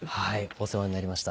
お世話になりました。